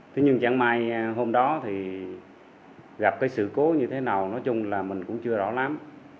thế nhưng chẳng mai hôm đó thì gặp cái sự cố như thế nào nói chung là mình cũng chưa rõ lắm